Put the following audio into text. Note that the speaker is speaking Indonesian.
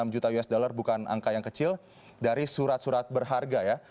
enam juta usd bukan angka yang kecil dari surat surat berharga ya